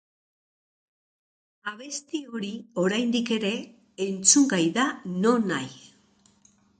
Abesti hori oraindik ere entzungai da nonahi.